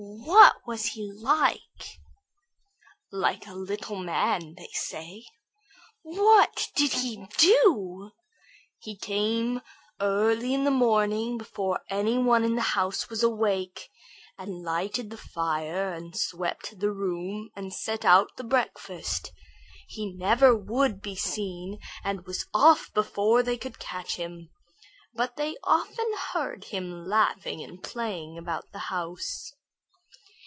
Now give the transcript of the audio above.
What was he like?" "Like a little man, they say." "What did he do?" "He came early in the morning before any one in the house was awake, and lighted the fire and swept the room and set out the breakfast. He never would be seen and was off before they could catch him. But they often heard him laughing and playing about the house."